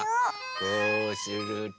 こうすると。